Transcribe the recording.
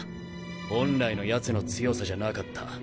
本来のヤツの強さじゃなかった。